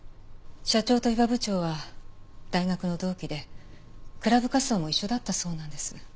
社長と伊庭部長は大学の同期でクラブ活動も一緒だったそうなんです。